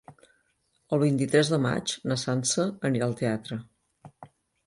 El vint-i-tres de maig na Sança anirà al teatre.